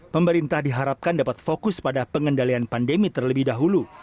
pemerintah diharapkan dapat fokus pada pengendalian pandemi terlebih dahulu